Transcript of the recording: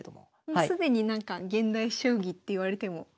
もう既になんか現代将棋っていわれても。